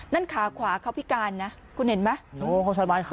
นั่นขาขวาเข้าพิการนะคุณเห็นไหมโอ้เขาสัตว์ไม้ข้างหรูน่ะ